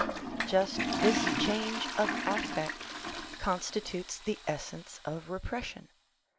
Just this change of affect constitutes the essence of repression.'